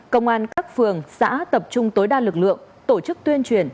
công an các phường xã tập trung tối đa lực lượng tổ chức tuyên truyền